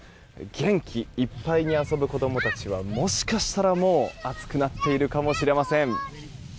元気いっぱいに遊ぶ子供たちはもしかしたらもう暑くなっているかもしれません。